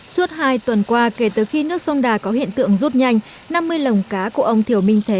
suốt hai tuần qua kể từ khi nước sông đà có hiện tượng rút nhanh năm mươi lồng cá của ông thiểu minh thế